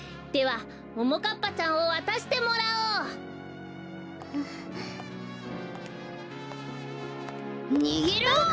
ではももかっぱちゃんをわたしてもらおう！にげろ！